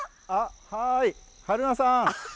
はーい、春菜さん！